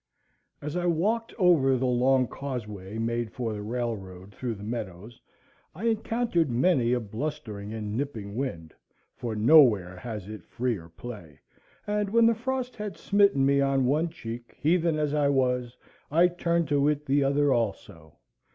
As I walked over the long causeway made for the railroad through the meadows, I encountered many a blustering and nipping wind, for nowhere has it freer play; and when the frost had smitten me on one cheek, heathen as I was, I turned to it the other also.